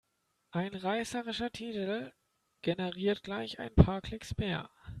Ein reißerischer Titel generiert gleich ein paar Klicks mehr.